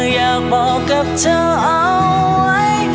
อยากบอกกับเธอเอาไว้